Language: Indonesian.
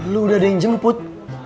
lu udah ada yang jemput